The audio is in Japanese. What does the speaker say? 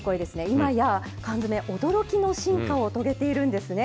今や缶詰驚きの進化を遂げているんですね。